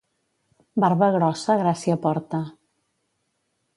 Barba grossa gràcia porta.